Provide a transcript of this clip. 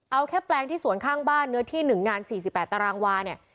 เอาแค่แปลงที่สวนข้างบ้านเนื้อที่๑งาน๔๘ตารางวาเนี่ย